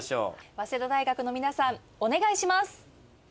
早稲田大学の皆さんお願いします。